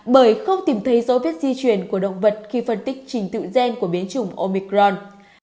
bởi không tìm thấy dấu vết di chuyển của động vật khi phân tích trình tự gen của biến chủng omicron